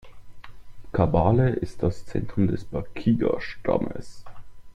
Kabale ist das Zentrum des Bakiga-Stammes.